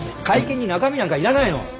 会見に中身なんかいらないの！